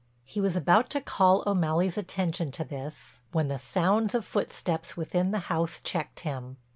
He was about to call O'Malley's attention to this, when the sounds of footsteps within the house checked him.